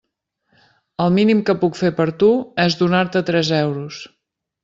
El mínim que puc fer per tu és donar-te tres euros.